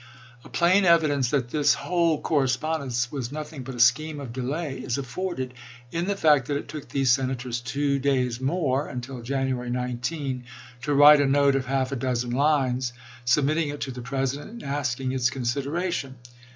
p^™NoR9i. A plain evidence that this whole correspondence 2^t8h con"' was nothing but a scheme of delay is afforded in gre*8' p' 60' the fact that it took these Senators two days more (until January 19) to write a note of half a dozen lines, submitting it to the President, and asking its consideration.